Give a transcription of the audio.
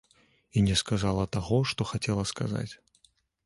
І не сказала таго, што хацела сказаць.